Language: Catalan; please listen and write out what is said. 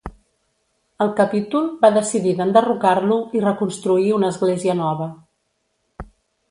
El capítol va decidir d'enderrocar-lo i reconstruir una església nova.